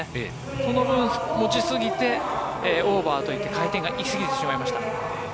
その分持ちすぎてオーバーといって回転がしすぎてしまいました。